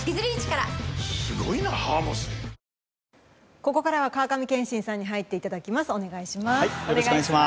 ここからは川上憲伸さんに入っていただきます。